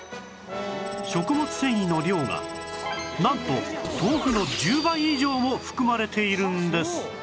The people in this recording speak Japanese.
食物繊維の量がなんと豆腐の１０倍以上も含まれているんです